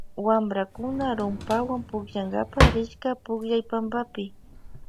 Wamprakuna rumpawan pukllnakapa rishka pukllaypampapi.